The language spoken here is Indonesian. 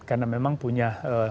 karena memang punya